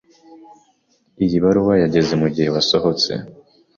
Iyi baruwa yageze mugihe wasohotse.